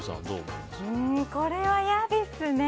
これは、嫌ですね。